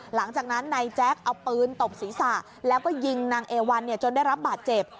หลังจากนั้นนายแจ๊คเอาปืนตบศีรษะแล้วก็ยิงนางเอวันจนได้รับบาดเจ็บ